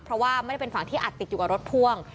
เพราะว่าไม่ได้เป็นฝั่งที่อัดติดอยู่กับรถพ่วง